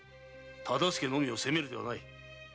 大岡のみを責めるでない。